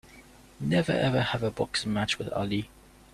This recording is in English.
Never ever have a boxing match with Ali!